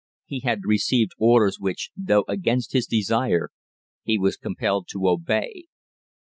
He had received orders which, though against his desire, he was compelled to obey.